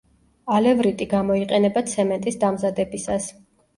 ალევრიტი გამოიყენება ცემენტის დამზადებისას.